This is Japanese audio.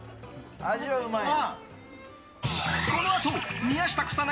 味はうまいね。